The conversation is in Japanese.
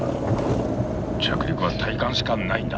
着陸は体感しかないんだ。